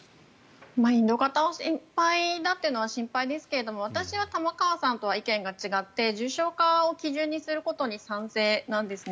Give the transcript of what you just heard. インド型が心配だというのは心配ですけど私は玉川さんとは意見が違って重症化を基準にすることに賛成なんですね。